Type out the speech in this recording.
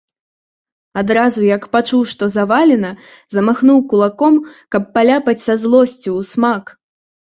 Адразу, як пачуў, што завалена, замахнуў кулаком, каб паляпаць са злосцю, усмак.